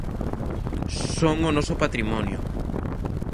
Son o noso patrimonio.